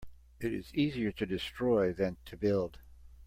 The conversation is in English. It is easier to destroy than to build.